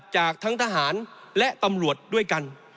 จากทั้งทหารและตำรวจด้วยกัน